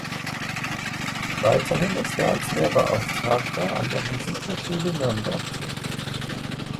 Weiterhin ist er als Lehrbeauftragter an der Musikhochschule Nürnberg tätig.